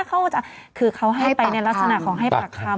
เขาก็จะคือเขาให้ไปในลักษณะของให้ปากคำ